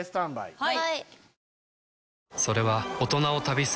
はい。